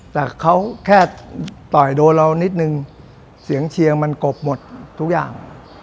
แต่เขาแค่ต่อยโดนเรานิดนึงเสียงเชียร์มันกบหมดทุกอย่าง